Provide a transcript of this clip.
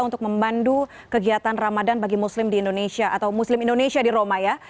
untuk memandu kegiatan ramadan bagi muslim di indonesia atau muslim indonesia di roma ya